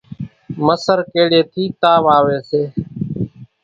مسر ڪيڙيئيَ ٿِي تاوَ آويَ سي۔